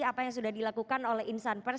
apa yang sudah dilakukan oleh insan pers